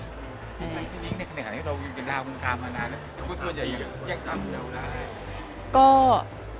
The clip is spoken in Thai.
พี่นิ้งในขณะนี้เรายังเป็นราวคุณคามมานานแล้วคุณส่วนใหญ่อย่างเยี่ยงความเวลาอะไร